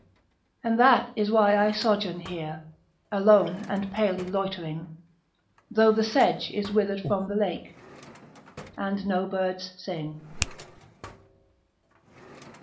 And that is why I sojourn here, Alone and palely loitering, Though the sedge is withered from the lake, And no birds sing.